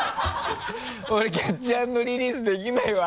俺キャッチアンドリリースできないわ。